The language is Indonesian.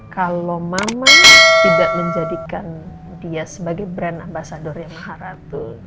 kalau mama tidak menjadikan dia sebagai brand ambasadornya maharatu